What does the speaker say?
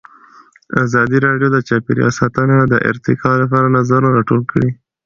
ازادي راډیو د چاپیریال ساتنه د ارتقا لپاره نظرونه راټول کړي.